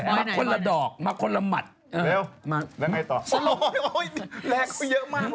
แล้วไงต่อสรุปโอ๊ยแรงเขาเยอะมากเลย